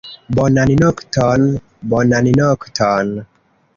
Bonan nokton, bonan nokton!